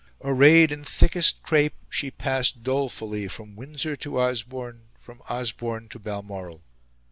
Arrayed in thickest crepe, she passed dolefully from Windsor to Osborne, from Osborne to Balmoral.